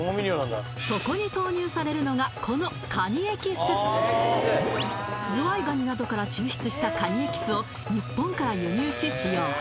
そこに投入されるのがこのズワイガニなどから抽出したカニエキスを日本から輸入し使用